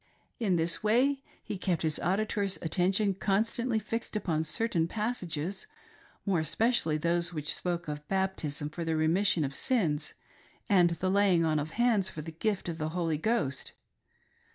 In this way he kept his auditor's attention constantly fixed upon certain passages, more espe cially those which spoke of baptism for the remission of sins, and the laying on of hands for the gift of the Holy Ghost.